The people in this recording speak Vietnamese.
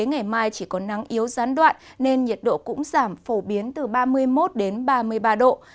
ngày mai chỉ có nắng yếu gián đoạn nên nhiệt độ cũng giảm phổ biến từ ba mươi một ba mươi ba độ